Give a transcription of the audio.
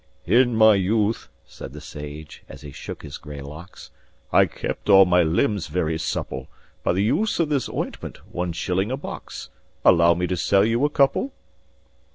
"In my youth," said the sage, as he shook his grey locks, "I kept all my limbs very supple By the use of this ointment one shilling a box Allow me to sell you a couple?"